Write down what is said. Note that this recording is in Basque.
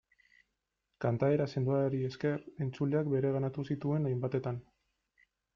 Kantaera sendoari esker, entzuleak bereganatu zituen hainbatetan.